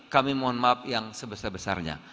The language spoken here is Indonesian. kami mohon maaf yang sebesar besarnya